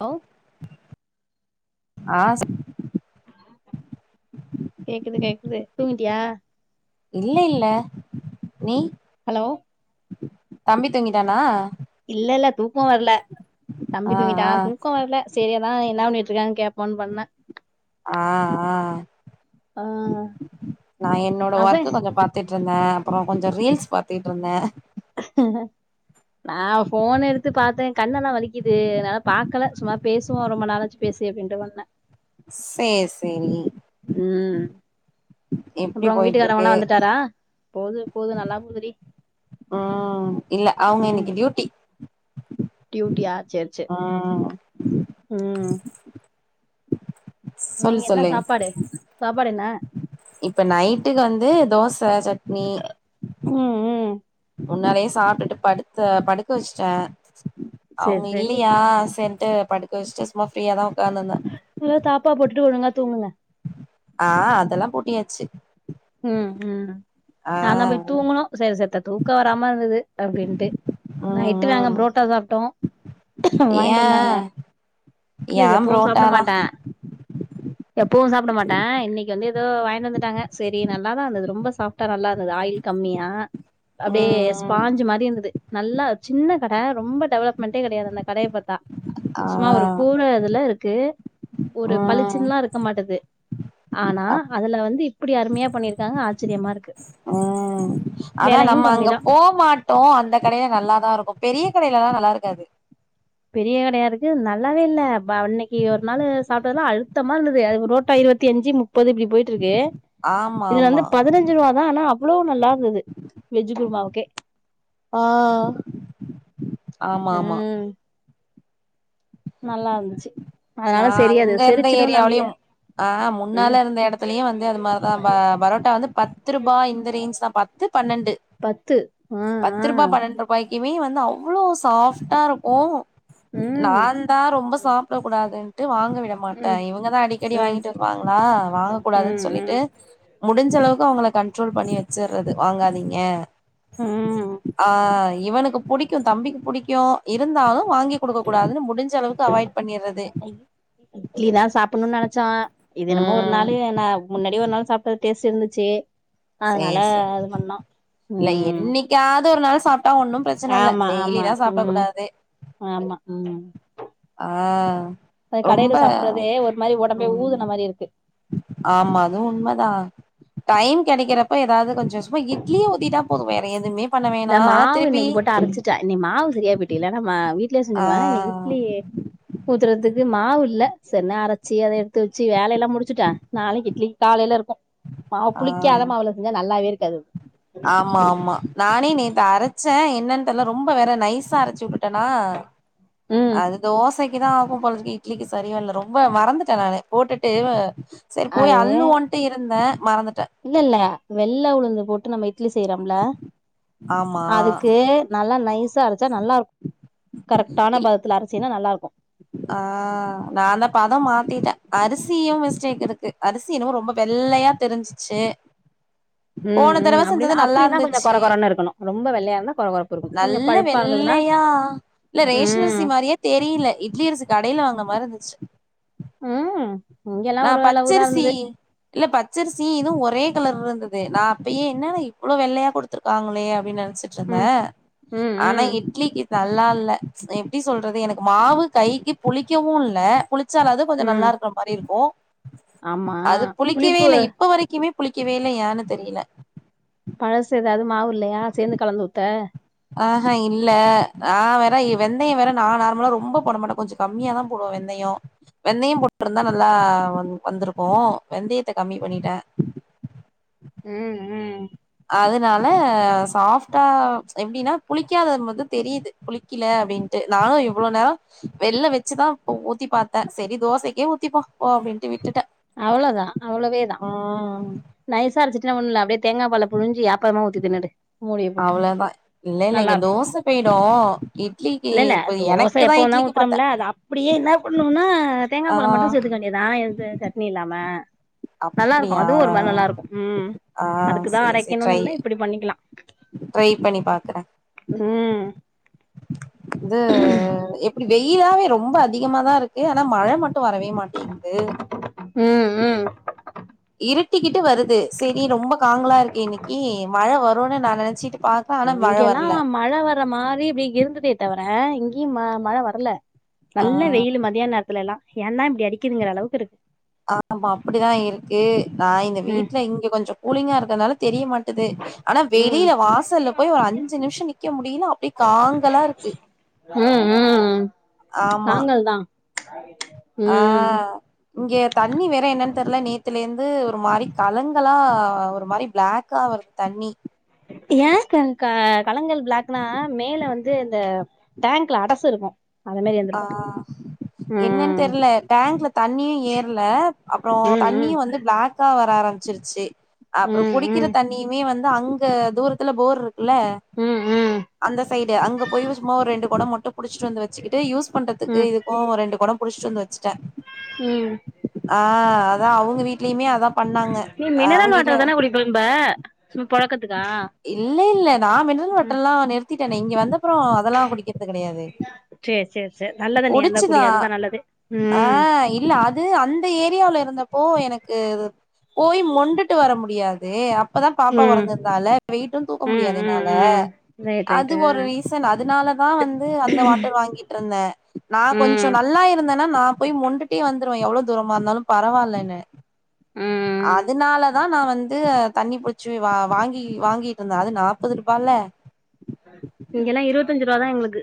Low ஆ செ கேக்குது கேக்குது தூங்கிடியா இல்ல இல்ல நீ ஹலோ தம்பி தூங்கிட்டானா இல்ல இல்ல தூக்கம் வரல ஆ தம்பி ஆ தூங்கிட்டான் தூக்கம் வரல செரி அதான் என்ன பண்ணிட்டு இருக்கான்னு கேட்போம்னு தான் பண்ணுணேன் ஆ ஆ ஆ, நான் என்னோட அதான் ஒர்க்கு கொஞ்சம் பா பாத்துட்டு இருந்தேன் அப்புறம் கொஞ்சம் ரீல்ஸ் பாத்துட்டு இருந்தேன் நான் போன் எடுத்து பார்த்தேன் கண்ணெல்லாம் வலிக்குது என்னால பாக்கல சும்மா பேச சும்மா ரொம்ப நாளைச்சு பேசி அப்படின்டு வந்தேன் சேர் சேரி ம் எப்டி அப்புறம் உங்க போயிட்டு வீட்டுக்காரர் இருக்கு ஒன்னே வந்துட்டாரா போது போது நல்லா போது டி ம் இல்ல அவங்க ம் இன்னைக்கு டியூட்டி டியூட்டியா சேர் சேரி ம் ம் நீங்க சொல் என்ன சொல்லு சாப்பாடு சாப்பாடு என்ன இப்ப நைட்டுக்கு வந்து தோச சட்னி ம் ம் முன்னாலயே சாப்ட்டுட்டு படுத்த படுக்க வச்ட்டே சரி அவுங்க சரி இல்லையா செரின்ட்டு படுக்க வச்ட்டு சும்மா ஃப்ரீயா தா உக்காந்து இருந்தே நல்லா தாப்பா போட்டுட்டு ஒழுங்கா தூங்குங்க ஆ அதெல்லா பூட்டியாச்சு ம் ம் ஆ நாந்தா போய் தூங்கணு செரி செத்த தூக்க வராம இருந்தது அப்டின்ட்டு ம் நைட்டு நாங்க ம் புரோட்டா சாப்ட்டோ ஏ வாங்ட்டு வந்தாங்க இல்ல ஏ எப்பவு சாப்புட புரோட்டாலா மாட்டே எப்பவு சாப்ட மாட்டே இன்னக்கி வந்து எதோ வாயிண்டு வந்துட்டாங்க செரி நல்லாதா இருந்தது ரொம்ப சாஃப்டா நல்லா இருந்தது ஆயில் கம்மியா அப்டியே ம் ம் பாஞ்சு மாரி இருந்தது நல்லா சின்ன கட ரொம்ப டெவலப்மெண்ட்டே கெடையாது அந்த கடைய பாத்தா ஆ சும்மா ஒரு கூர இதுல இருக்கு ஒரு ம் பளிச்சுன்லா இருக்க மாட்டது ஆனா அப் அதுல வந்து இப்புடி அருமையா பண்ணிருக்காங்க ஆச்சுரியமா இருக்கு ம் அதா வெலையு நம்ம கம்மிதா அங்க போமாட் டோ அந்த கடைல நல்லாதா இருக்கு பெரிய கடைல தா நல்லாருக்காது பெரிய கடையா இருக்கு அது நல்லாவே இல்ல அன்னக்கி ஒரு நாளு சாப்ட்டதுலா அழுத்தமா இருந்தது அது ஒரு ப்ரோட்டா இருவத் த்தி அஞ்சு முப்பது இப்டி போய்ட்டு இருக்கு ஆமா இதுல ஆமா வந்து பதுனஞ் அஞ்சு ரூவா தா ஆனா அவ்வளோ நல்லா இருந்தது வெஜ்ஜு குருமாவுக்கே ஆ ஆமா ஆமா ம் நல்லா இருந்துச்சு நா அதனால சரி அது அங்க இருந்த செரிச்சிடுன்னு நம்பிக்க ஏரியாவுலையும் ஆ ம் முன்னால இருந்த எடத்துலயு வந்து அது மாரிதா பரோட்டா வந்து பத்து ரூபா இந்த ரேஞ்ச் தா பாத் பத்து பன்னெண்டு பத்து அ அ வாய்க்குமே வந்து அவ்வளோ சாஃப்டா இருக்கு ம் நாந் தா ரொம்ப சாப்ட இதுன்ட்டு வாங்க விட மாட்ட ம் இவங்கதா அடிக்கடி ம் வாங்கிட்டு வருவாங்களா வாங்க ம் கூடாதுன்னு சொல்லிட்டு ம் முடிஞ்ச அளவுக்கு அவங்கள கண்ட்ரோல் பண்ணி வச்சர்றது வாங்காதீங்க ம் ஆ இவனுக்கு புடிக் க்கு தம்பிக்கு புடிக்கு இருந்தாலு வாங்கி குடுக்க கூடாதுன் முடிஞ்ச அளவுக்கு அவாய்ட் பண்ணி இட்லிதா சாப்பட்ணுனு நெனைச்சோ இது என்னமோ ம் முன்னாலு நா முன்னாடி ஒரு நாள் சாப்ட்ட டேஸ்ட் இருந்துச்சு அதனால சேரி அது பண்ணோ ம் யாதொரு நாள் சாப்ட்டா ஒன்னு பிரச்சன இல்ல ஆமா டெய்லி ஆமா தா சாப்ட ம் கூடாது ஆமா ம் ஆ பாதி ரொம்ப கடைல சாப்ட்றதே ஒரு மாரி ஒடம்பே ம் ஊதுன மாரி இருக்கு ஆமா அதுவு உண்மதா டைம் கெடைக்கிறப்ப ஏதாவ்து கொஞ்சொ சும்மா இட்லியே ஊத்திட்டா போது வேற எதுமே இந்த மாவு இன்னக்கி போட்டு அரச்சிரு ச்ச இன்னக் மாவு சரியா போயிட்டு இல்லெனா மா வீட்டிலே ஆ செஞ்சிருவவே இன்னக் இட்லி ஊத்துறதுக்கு மாவு இல்ல செரின்னு அரச்சி அத எடுத்து வச்சு வேலை எல்லா முடிச்சுட்டே நாளக்கி இட்லிக் காலைல இருக்கு மாவு ஆ புளிக்காத மாவுல செஞ்சா நல்லாவே இருக்காது ஆமா ஆமா நானே நேத்து அரச்சே என்னன்னு தெர்ல ரொம்ப வேற நைஸா அரச்சு வுட்டுட்டனா ம் அது தோச தோசைக்கு தா ஆகு போல இருக்கு இட்லிக்கு சரி வரல ரொம்ப மறந்துட்ட நானு போட்டுட்டு சரி போய் அது அள்ளுவோன்ட்டு இருந்தே மறந்துட்டே இல்ல இல்ல வெள்ள உளுந்து போட்டு நம்ம இட்லி செய்றோம்ல ஆமா அதுக்கு நல்லா நைஸா அரச்சா நல்லாருக் கரெக்டான இல் பதத்துல அரிசிங்கனா நல்லா இருக்கு ஆ நா தா பதோ மாத்திட்ட அரிசியு மிஸ்டேக் இருக்கு அரிசி என்னமோ ரொம்ப வெள்ளையா தெரிஞ்சிச்சு ம் போன ம் தடவ அப்டின்னா செஞ்சது நல்லா அப்டின்னா கொஞ்ச கொர இருந்துச்சு கொர ன்னு இருக்கணு ரொம்ப வெள்ளையா இருந்தா கொர கொரப்பு இருக்கணு கொஞ்சோ நல்ல பழுப்பா இருந்ததுன்னா வெள்ளையா இல்ல ரேஷனரிசி ம், மாரியே தெரில இட்லி அரிசி கடைல வாங்குன மாரி இருந்துச்சு ம் நா இங்கல்லாம் ஒரு அளவுதா பச்சரிசி இருந்தது இல்ல பச்சரிசி இதூ ஒரே கலர் இருந்தது நா அப்பயே என்னடா இவ்ளோ வெள்ளையா குடுத்துருக்காங்களே அப்டின்னு நெனைச்சிட் சந்த ம், ம், ஆனா ம், இட்லிக்கு நல்லா இல்ல எப்டி சொல்றது எனக்கு மாவு கைக்கு புளிக்கவு இல்ல புளி புளிச்சாலாது கொஞ்ச நல்லா ம். இருக்க மாரி இருக்கு ஆமா. அது புளிக்கவே புளிப்பு இல்ல இப்ப வரைக்குமே புளிக்கவே இல்ல ஏன்னு தெரில பழசு எதாவது மாவு இல்லையா சேந்து கலந்து ஊத்த ஆ ஹ இல்ல நா வேற வெந்தய வேற நா நார்மலா ரொம்ப போடமாட்ட கொஞ்ச கம்மியா தா போடுவ வெந்தயோ வெந்தயோ போட்ருந்தா நல்லா வந்துருக்கு வெந்தயத்த கம்மி பண்ணிட்ட ம் ம் அதனால சாஃப்டா எப்டின்னா புளிக்காததுமாத தெரியுது புளிக்கல அப்டின்னுட்டு நானு இவ்ளோ நேரோ வெள்ல வச்சுதா ஊத்தி பாத்த சரி தோசைக்கே ஊத்திப்போ போ அப்டின்ட்டு விட்டுட்ட அவ்ள அவ்ளோவே தா நைசா அரச்சிட்டுன ஒண்ணு இல்ல அப்டே தேங்கா பால புழிஞ்சு ஆப்பமா ஊத்தி தின்னுடு மூடிய போட்டு. அவ்ளோதா இல்ல இல்ல இங்க நல்லாருக்கும். தோச போய்டு இட்லிக்கு எனக்கு தா இட்லிக்கு பாத்தே த்தரம்ல அது அப்டியே என்ன பண்ணுன்னா தேங்கா ஆ பால மட்டு சேத்துக்க வேண்டிதா எது சட்னி இல்லாம நல்லாருக்கு அப்டியா அதுவு ஒரு மாரி நல்லாருக்கு ம் ஆ அதுக்குதா சேரி சேரி அரைக்கணுனு ட்ரை இல்ல இப்டி பண்ணிக்கலா ட்ரை பண்ணி பாக்கற இது எப்டி வெயிலாவே ரொம்ப அதிகமா தா இருக்கு ஆனா மழ மட்டு வரவே மாட் கேக்து ம் ம். இருட்டிக்கிட்டு வருது செரி ரொம்ப காங்களா இருக்கே இன்னைக்கி மழ வருன்னு நெனைச்சிட்டு பாக் இங்கெல்லா மழ வர மாரி இப்டி இருந்துதே தவர இங்கியு ம மழ வரல நல்ல வெயிலு மதியான நேரத்துலல்லா ஏன்னா இப்டி அடிக்குதுங்குற அளவுக்கு இருக் ஆம்மா அப்டிதா இருக்கு நா இந்த ம் வீட்ல இங்க கொஞ்சோ கூலிங்கா இருக்கறனால தெரியமாட் அது ஆனா ம் வெளியில வாசல்லபோய் ஒரு அஞ்சு நிம்ஷ நிக்க முடியில அப்டி காங்கலாருக்கு ம் ம் ஆமா காங்கால்தா ஆ ம் இங்க தண்ணி வேற என்னன் தெர்ல நேத்துளேந்து ஒரு மாரி கலங்களா ஒரு மாரி பிளாக்கா வரு தண்ணி ஏகங்கா களங்கள் பிளாக்னா மேல வந்து இந்த டேங்க்ல அடச இருக்கு அத மாரி ஆ இருந்திருக்கு என்னென் ம் தெர்ல டேங்க்ல தண்ணியூ ஏற்ல அப்ரொ ம் ம் தண்ணியூ வந்து ப்ளாக் கா வர ஆரம்பிச்சிருச்சு அப்புரொ ம் குடிக்கிற ம் தண்ணியுமே வந்து அங்க தூரத்துல போர்ருக் ல்ல ம் ம் அந்த சைடு அங்க போய் சும்மா ஒரு ரெண்டு கொட மட்டு புடிச்சிட்டு வந்து வெச்சு இது யூஸ் பண்றத்துக்கு ம் இதுக்கூ ரெண்டு கொடொ புடிச்சிட்டு வந்து வச்ட்ட ம் ஆ அதா அவுங்க வீட்லியுமே அதா பண்ணாங்க அவிங்க வீட்ல ப்ப ம்ப சும்மா பொழக்கத்துக்கா இல்ல இல்ல நா மினரல் வாட்டரலா நிறுத்திட்டேனே இங்க வந்தப்ரொ அதல்லா குடிக்க சேர் சேர் சேர் நல்ல தண்ணியா இருந்தா குடி புடிச்சுதா அதுதா நல்லது ஆ ம் இல்ல அ து அந்த ஏரியாவுல இருந்தப்போ எனக்கு போய் மொண்டுட்டு வர முடியாது அப்பதா பாப்பா ம் பொறந்திருந்தால்ல வெய்ட்டு தூக்க ம் முடியாது ம் என்னால ம் ரைட் அது ரைட்டு ஒரு ரீசன் அதுனாலதா வந்து அந்த வாட்டர் வாங்கிட்டுருந்தெ நா கொஞ்சொ ம் நல்லாருந்தேன்னா நா போய் மொண்டுட்டே வந்துருவ எவ்ளோ தூரமார்ந்தாலு பரவால்லனு ம் அதுனாலதா நா வந்து தண்ணி புடிச்சு வா வாங்கி வாங்கிட்டுருந்தே அது நாப்பது ரூபால்ல இங்கல்லா இருவத்தஞ்சுருவாதா எங்குளுக்கு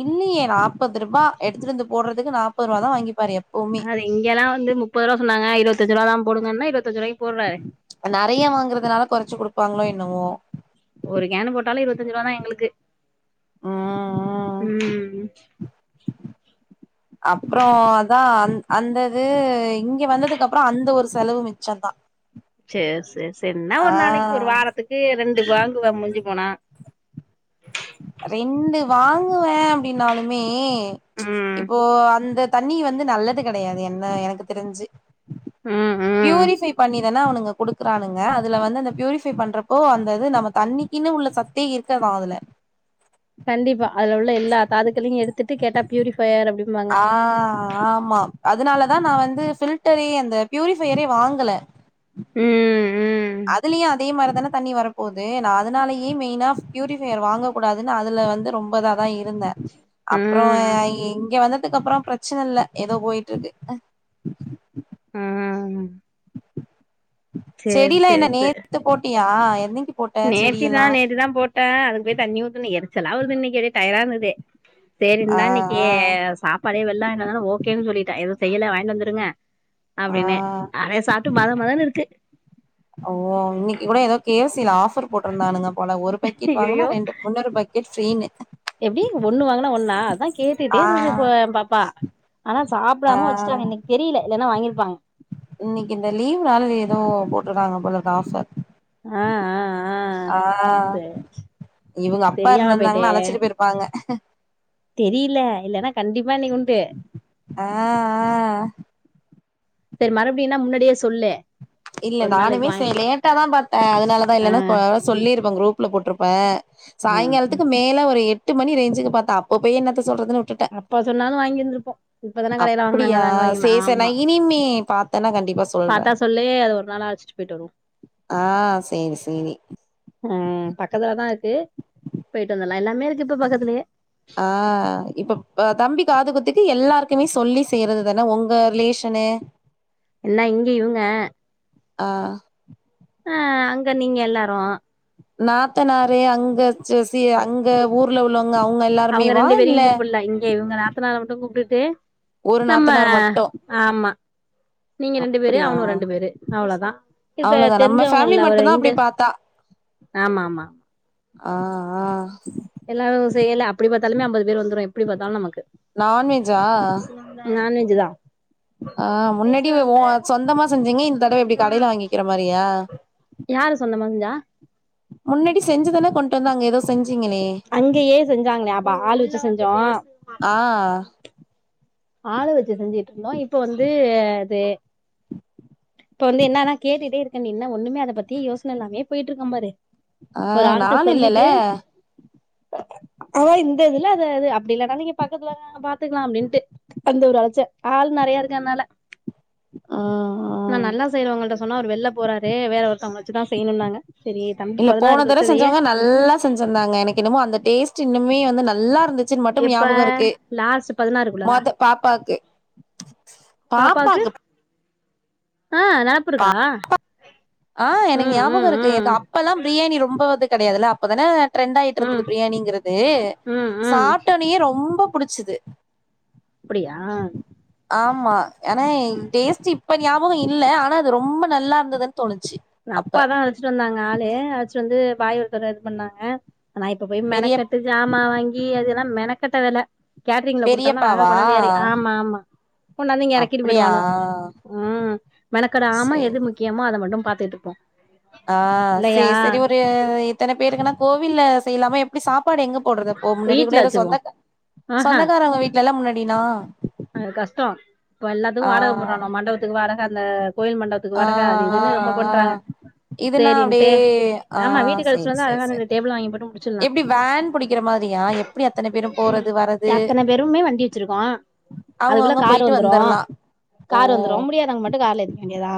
இல்லுயே நாப்பதுருபா எடுத்துட்டு வந்து போடடறதுக்கு நாப்பதுரூபா தா வாங்கிப்பாரு எப் அது இங்கலா வந்து முப்பது ருவா சொன்னாங்க இருவத்தஞ்சு ருவா தா போடுங்கன்னு இருவந்தஞ்சுருவாக் நறைய வாங்கறதுனால கொறச்சு குடுப்பாங்ளோ என்னம்மோ ஒரு கேனு போட்டாலு இருவத்தஞ்சு ருவாதா எங்களுக்கு ம் [inaudible] அப்ரொ அதா அந் அந்தது இங்க வந்ததுக்கப்ரொ அந்த செலவு மிச்சொந்தா சேர் சேர் சேர் என்னா ஒர் நாளைக்கு ஒரு வாரத்துக்கு ரெண்டு வாங்குவ முஞ்சுபோனா ரெண்டு வாங்குவே அப்டினாலுமே ம் இப்போ அந்த தண்ணி வந்து நல்லது கெடையாது என்ன எனக்கு தெரிஞ்சு ம் ம் ப்யூரிஃபை பண்ணிதானே அவனுங்க குடுப் குறானுங்க அதுல வந்து அந்த பியூரிஃபை பண்றப்போ அந்தது நம்ம தண்ணிக்குன்னு உள்ள சத்தேருக்காதா அதுல கண்டிப்பா அதுல உள்ள எல்லா தாதுக்கலையூ எடுத்துட்டு கேட்டா பியூரிஃபயர் அப்டி ஆ ஆம்மா அதுனாலதா நா வந்து ஃபில்டரே அந்த பியூரிஃபையரே வாங்கல ம் ம் அதுலியூ அதே மாரிதான தண்ணி வரு போது நா அதுனாலயே மெயினா பியூரிஃபயர் வாங்க கூடாதுன்னு அதுல வந்து ரொம்ப இதாதா இருந்த ம் அப்ரொ ம் இங்க வந்தத்துக்கு அப்ரொ பிரச்சன இல்ல ஏதோ போயிட்ருக்கு ம் சேரி செடிலா சேரி என்ன நேத்து போட்டியா என்னக்கி நேத்திதா நேத்திதா போட்ட அதுக்கு போய் தண்ணி ஊத்தனு எரிச்சலா வருது இன்னைக்கு அப்டியே டயர்டா இருந்தது ஆ சேரிந்தா இன்னைக்கு சாப்பாடே வெள்ல வாங்கிட்டு வந்தோன்னே ஓகேன்னு சொல்லிட்ட எதுவு செய்யல வாங்கிட்டு வந்துருங்க ஆ ஆ அப்டின்னே அப்டே சாப்ட்டு மத மதனு இருக்கு ஓ இன்னிக்கு கூடோ ஏதோ கே எஃப் சி ல ஆஃபர் போட்ருந்தானுங்க போல ஒரு பக்கெட் வாங்குனா ஐயையோ ரெண்டு உன்னொரு பக்கெட் ஃபிரீனு எப்டி ஒன்னு வாங்குனா ஒன்னா அதா கேட்டுட்டே ஆ இருந்து ஏ பாப்பா ஆனா ஆ சாப்டாம வச்சுட்டாங்க இன்னிக்கு தெரில இல்லனா வாங்கிருப்பாங்க இன்னிக்கு இந்த லீவ் நாள்னு ஏதோ போட்ருக்காங்க போலருக்கு ஆஃபர் ஆ ஆ ஆ சரி இவுங்க அப்பா தெரியாம இருந்துருந்தாங்கன்னா அழச்சிட்டு போயிருப் பாங்க தெரியில இல்லன்னா கண்டிப்பா இன்னிக்உண்டு ஆ ஆ சேர் மறுபுடினா முன்னாடியே சொல்லு இல்ல ஒரு நாள் நானுமே இதுக்கு சே வாங்கி லேட்டா தா பாத்த அதுனாலதா ஆ இல்லன்னா கொ சொல்லிருப்ப குரூப்ல போட்ருப்ப ம் சாய்ங்காலத்துக்கு மேல ஒரு எட் எட்டு மணி ரேஞ்சுக்கு பாத்த அப்ப போய் என்னத்த சொல்றதுனு டுட்ட அப்ப சொன்னாலு வாங்கி இருந்திருப்போ இப்பதான கடையில வாங்குனாங்க அப்டியா அதாங்க சே வாங்கிக்கலா சே நா ஆமா இனிமே பாத் தேன்னா கண்டிப்பா சொ பாத்தா சொல்லு அது ஒரு நாள் அழசிட் ஆ சேரி சேரி ஆ பக்கத்துலதா இருக்கு போயிட்டு வந்துர்லா எல்லாமே இருக்கு இப்ப பக்கத்துலேயே ஆ இப்ப ஆ தம்பி காது குத்துக்கு எல்லாருக்குமே சொல்லி செய்றது தான உங்க ரிலேஷனு என்ன இங்கே இவுங்க ஆ ஆ அங்க நீங்க எல்லாரு நாத்தனாரே அங்க செ சி அங்க ஊர்ல உள்ளவுங்க அவுங்க அவுங்க ரெண்டு பேரையு கூப்புல்ல இங்கே இவுங்க நாத்தனார மட்டு கூப்டுட்டு ஒரு நம்ம நாத்தனார் மட்டு ஆமா நீங்க ரெண்டு பேரு அப்டியா அவனுவோ ரெண்டு பேரு அவ்ளோதா இப்ப அவ்ளோதா நம்ம ஃபேமிலி தெரிஞ்சவங்கல்ல ஒரு மட்டுந்தா இந்த அப்டி பாத்தா ஆமா ஆமா ஆ ஆ எல்லாரு செய்யல அப்டி பாத்தாலுமே அம்பது பேர் வந்துரு எப்டி பாத்தாலு நமக்கு நான்வெஜ்ஜா நான்வெஜ் தா ஆ முன்னாடி ஓ சொந்தமா செஞ்சீங்க இந்தடவ எப்டி கடையில வாங்கிக்கிற மாரியா யாரு சொந்த மதுஞ்சா முன்னேடி செஞ்சுதானே கொண்டு வந்த அங்க ஏதோ செஞ்சீங்களே அங்கேயே செஞ்சாங்களே அப்ப ஆளு வச்சி செஞ்சோ ஆ ஆளு வச்சு செஞ்சிட்டுருந்தோ இப்போ வந்து அது இப்போ வந்து என்னன்னா கேட்டுட்டே இருக்க நீ இன்னு ஒண்ணுமே அத பத்தியே யோசன இல்லாமயே போயிட்ருக்க பாரு ஆ ஒரு ஆள்ட்ட நாள் இல்லல சொல்லிட்டு அதா இந்த இதுல அது அது அப்டி இல்லனா நீங்க பக்கத்துல தான பாத்துக்கலா அப்டின்ட்டு அந்த ஒரு அழச்ச ஆள் நெறைய இருக்கனால ஆ ஆ நா நல்லா செய்றங்கவள்ட்ட சொன்னா அவுரு வெள்ல போறாரு வேற ஒருத்தவங்கள வச்சிதா செய்யணுன்னாங்க சேரி இல்ல போன தடவ செஞ்சவங்க நல்லா செஞ்சிருந்தாங்க எனக்கு என்னமோ அந்த டேஸ்ட்டு இன்னுமே வந்து நல்லாருந்து கிச்சன் மட்டும் எப்ப ஞாபகோ இருக்கு லாஸ்ட் பதினாறுக்குள்ளதா மொத பாப்பாக்கு பாப்பாக்கு ஆ நா உப்பிருக்கா ஆ எனக்கு ஞாபகோருக்கு எனக்கு ம் அப்பல்லா பிரியாணி ரொம்போ இது கெடையாதில்ல அப்பதான ட்ரெண்ட்டு ஆயிட்டு ம் இருக்கு பிரியாணிங்கிறது ம் ம் சாப்ட்டொன்னயே ரொம்ப புடிச்சிச்சுது அப்டியா ஆமா ஆனா ம் டேஸ்ட்டு இப்ப ஞாபகோ இல்ல ஆனா அது ரொம்ப நல்லா இருந்துன்னு தோணுச்சு னா அப்ப அப்பாதா அழச்சிட்டு வந்தாங்க ஆளு அழச்சிட்டு வந்து பாய் ஒருத்தரு இது பண்ணாங்க ஆனா இப்ப போய் பெரிய மெனகெட்டு ஜாமான் வாங்கி அது எல்லா மெனக்கெட்ட வேல கேட்டரிங்ல குடுத்தம்னா பெரியப்பாவா கொண்டாந்து எற ஆமா ஆமா கொண்டாந்து இங்க எறக்கிட்டு அப்படியா போயிடுவானுவோ ம் மெனக்கெட ஆமா சேரி எது முக்கியமோ அத மட்டு பாத்துகிட்டுருப்போ ஆ சேர் செரி ஒரு இத்தன பேருக்குனா கோவில்ல செய்லாமா எப்டி சாப்பாடு எங்க போடறது அப்போ முன்னாடி கூட வீட்ல எதோ வச்சிருவோ சொந்தகா ஆஹா சொந்தக்காரவுங்க வீட்ல எல்லா முன்னாடின்னா அது கஷ்டோ இப்ப எல்லாத்துக்கு வாடக போடுறானா மண்டபத்துக்கு வாடக அந்த கோயில் மண்ட த்துக்கு ஆ வடக அது ஆ இதுன்னு ரொம்ப ஆ பண்றாங்க இதுனா அப்படியே சேரின்ட்டு ஆ ஆமா வீட்டுக்கு அழச்சிட்டு சேரி வந்தா சேரி அழகான சேரி ரெண்டு டேபிள் வாங்கி போட்டு முடிச்சிர்லா எப்படி வேன் புடிக்கிற மாதிரியா எப்படி அத்தனை பேரும் போறது வர்றது அத்தன பேருமே வண்டி வெச்சிருக்கோ அதுக்குள்ள அவங்கவுங்க கார் போயிட்டு வந்துரு வந்துரலாம் கார் ஓ வந்துரு முடியாதவங்க மட்டு கார்ல ஏத்துக்க வேண்டிதா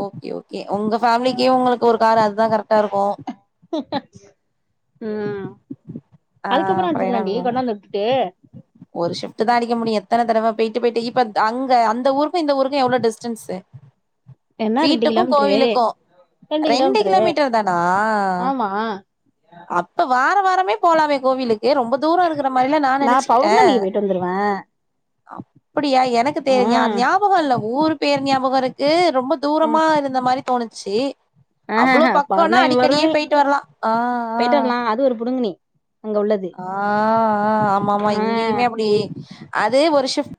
ஓகே ஓகே உங்க ஃபேமிலிக்கு உங்களுக்கு ஒரு காரு அதா கரெக்டா இருக்கு ம் ஆ அதுக்கப்றோ அப்றோ அடிச்சுக்கலாண்டி என்ன கொண்டாந்து விட்டுட்டு ஒரு ஷிஃப்ட்டுதா அடிக்க முடியு எத்தன தடவ போயிட்டு போயிட்டு இப்ப அங்க அந்த ஊருக்கு இந்த ஊருக்கு எவ்ளோ டிஸ்டன்ஸு என்ன ரெண்டு வீட்டுக்கு கிலோமீட்ரு கோவிலுக்கு ரெண்டு கிலோமீட்டர்தானா ஆமா அப்ப வார வாரமே போலாமே கோவிலு ஏ ரொம்ப தூரோ இருக்கற மாரில்லா நா நெனச்சுக்கிட்டன் பௌர்ணமிக்கு போயிட்டு வந்துருவே அப்படியா எனக்கு தெ ம் ஞாபகோ இல்ல ஊரு பேர் ஞாபகோ இருக்கு ரொம்ப ம் தூரமா இருந்த மாரி தோணுச்சு அவ்ளோ ஆஹஹ பக்கோனா பௌர்ணமி அடிக்கடியே பௌர்ணமி போயிட்டு வர்லா ஆ ஆ போயிட்டு வரலா அது ஒரு புடுங்கினி ஆ ஆ ஆமாமா ஆ இங்கியுமே அப்டி அது ஒரு ஷிஃப்